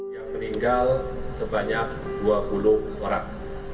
yang meninggal sebanyak dua puluh orang